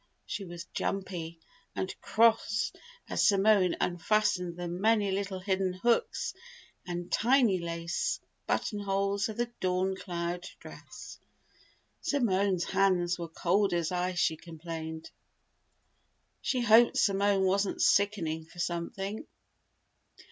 She was "jumpy" and cross as Simone unfastened the many little hidden hooks and tiny lace buttonholes of the "dawn cloud" dress. Simone's hands were cold as ice, she complained. She hoped Simone wasn't "sickening for something!"